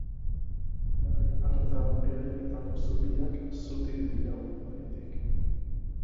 Garai hartan eraikitako zubiak zutik dirau oraindik.